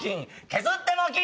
削っても金。